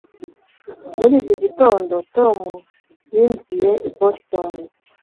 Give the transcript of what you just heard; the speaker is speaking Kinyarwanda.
muri iki gitondo, tom yinjiye i boston